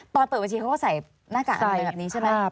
ตอนเปิดบัญชีเขาก็ใส่หน้ากากอันนี้ใช่ไหม